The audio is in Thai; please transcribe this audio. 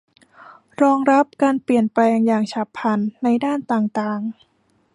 รองรับการเปลี่ยนแปลงอย่างฉับพลันในด้านต่างต่าง